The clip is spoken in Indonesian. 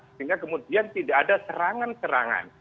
sehingga kemudian tidak ada serangan serangan